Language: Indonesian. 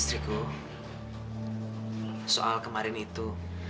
istriku soal kemarin itu